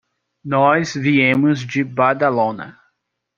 Nós viemos de Badalona.